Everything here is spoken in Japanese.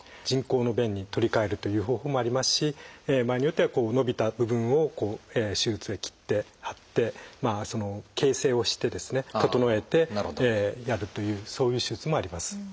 人工の弁に取り替えるという方法もありますし場合によっては伸びた部分を手術で切って貼って形成をしてですね整えてやるというそういう手術もあります。